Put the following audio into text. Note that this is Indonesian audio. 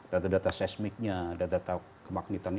data data seismiknya data data kemagnetan